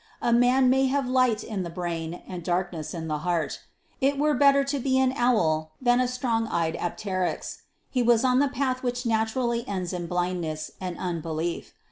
A man may have light in the brain and darkness in the heart. It were better to be an owl than a strong eyed apteryx. He was on the path which naturally ends in blindness and unbelief.